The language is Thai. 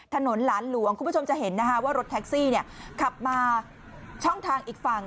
ถนนหลานหลวงคุณผู้ชมจะเห็นนะคะว่ารถแท็กซี่ขับมาช่องทางอีกฝั่ง